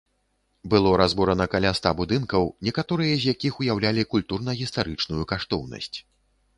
Было разбурана каля ста будынкаў, некаторыя з якіх уяўлялі культурна-гістарычную каштоўнасць.